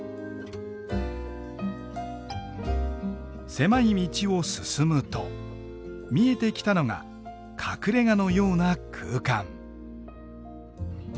狭い道を進むと見えてきたのが隠れがのような空間。